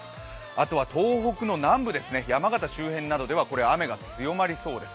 あとは東北の南部、山形周辺などでは雨が強まりそうです。